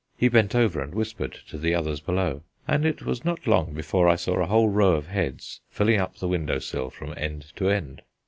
He bent over and whispered to the others below, and it was not long before I saw a whole row of heads filling up the window sill from end to end.